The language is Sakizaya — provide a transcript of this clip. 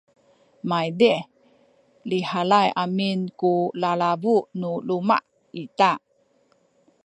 maydih lihalay amin ku lalabu nu luma’ ita